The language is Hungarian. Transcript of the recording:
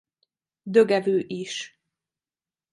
Dögevő is.